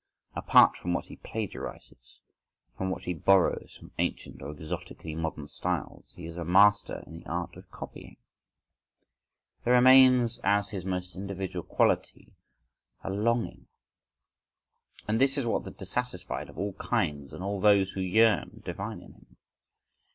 Apart from what he plagiarises, from what he borrows from ancient or exotically modern styles—he is a master in the art of copying,—there remains as his most individual quality a longing.… And this is what the dissatisfied of all kinds, and all those who yearn, divine in him.